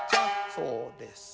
そうです。